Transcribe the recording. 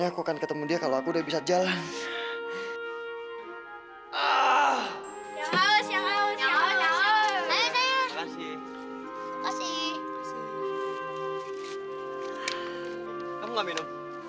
aku rasa harus aku sendiri yang jelasin semua ini